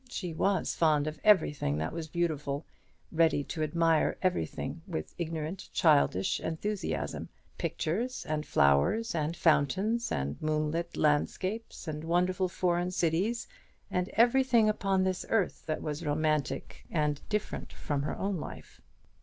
She was fond of everything that was beautiful, ready to admire everything with ignorant childish enthusiasm, pictures, and flowers, and fountains, and moonlit landscapes, and wonderful foreign cities, and everything upon this earth that was romantic, and different from her own life.